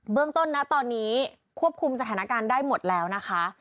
เรื่องต้นนะตอนนี้ควบคุมสถานการณ์ได้หมดแล้วนะคะ